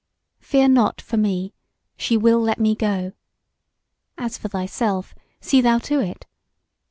Fear not for me! she will let me go. As for thyself, see thou to it!